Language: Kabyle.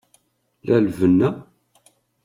La lbenna?